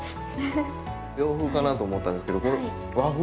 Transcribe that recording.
洋風かなと思ったんですけどこれ和風なんですね。